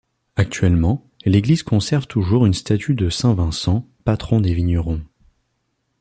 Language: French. Actuellement, l'église conserve toujours une statue de saint Vincent, patron des vignerons.